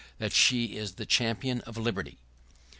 that she is the champion of liberty?